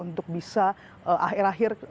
untuk bisa akhir akhir